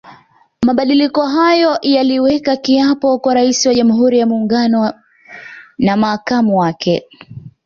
Mabadiliko hayo yaliweka kiapo kwa Raisi wa Jamhuri ya Muungano na makamu wake